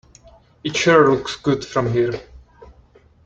It sure looks good from here.